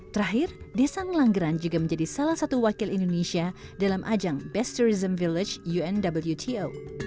terakhir desa ngelanggeran juga menjadi salah satu wakil indonesia dalam ajang best tourism village unwto